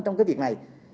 trong cái việc này